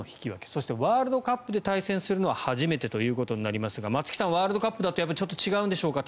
そしてワールドカップで対戦するのは初めてとなりますが松木さん、ワールドカップだとちょっと違うんでしょうか。